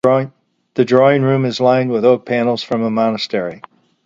The drawing room is lined with oak panels from a monastery.